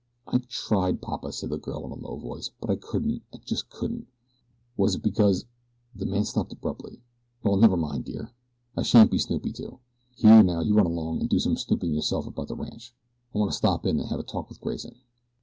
"I tried, Papa," said the girl in a low voice; "but I couldn't I just couldn't." "Was it because " the man stopped abruptly. "Well, never mind dear, I shan't be snoopy too. Here now, you run along and do some snooping yourself about the ranch. I want to stop in and have a talk with Grayson."